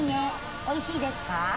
おいしいですか？